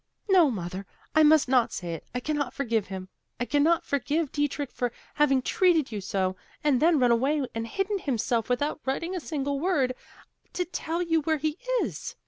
"No, mother, I must not say it. I cannot forgive him. I cannot forgive Dietrich for having treated you so, and then run away and hidden himself without writing a single word, to tell you where he is.